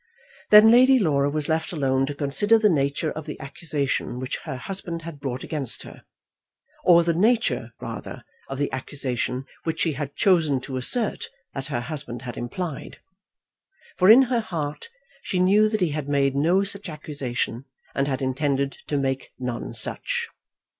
Then Lady Laura was left alone to consider the nature of the accusation which her husband had brought against her; or the nature rather of the accusation which she had chosen to assert that her husband had implied. For in her heart she knew that he had made no such accusation, and had intended to make none such.